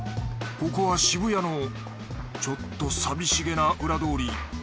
ここは渋谷のちょっと寂しげな裏通り。